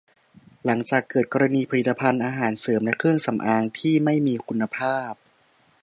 หลังจากเกิดกรณีผลิตภัณฑ์อาหารเสริมและเครื่องสำอางที่ไม่มีคุณภาพ